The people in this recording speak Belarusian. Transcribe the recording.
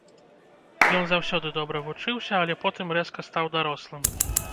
Ён заўсёды добра вучыўся, але потым рэзка стаў дарослым.